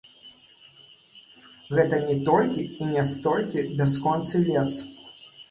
Гэта не толькі і не столькі бясконцы лес.